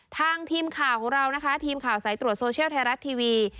ทางทีมข่าวของเรานะคะทีมข่าวสายตรวจโซเชียลไทยรัฐทีวี